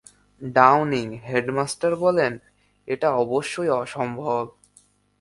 Downing, headmaster বললেন, এটা অবশ্যই অসম্ভব।